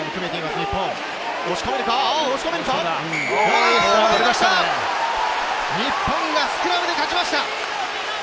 日本がスクラムで勝ちました！